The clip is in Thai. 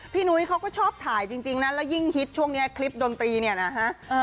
นุ้ยเขาก็ชอบถ่ายจริงนะแล้วยิ่งฮิตช่วงนี้คลิปดนตรีเนี่ยนะฮะ